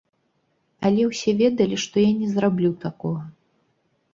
Але ўсе ведалі, што я не зраблю такога.